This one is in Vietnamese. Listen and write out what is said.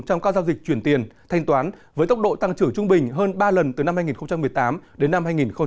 trong các giao dịch chuyển tiền thanh toán với tốc độ tăng trưởng trung bình hơn ba lần từ năm hai nghìn một mươi tám đến năm hai nghìn hai mươi